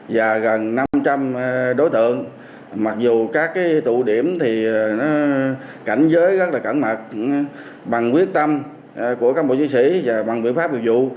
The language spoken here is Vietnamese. và gần năm trăm linh đối tượng mặc dù các tụ điểm thì cảnh giới rất là cẩn mật bằng quyết tâm của các bộ giới sĩ và bằng biện pháp dụ dụ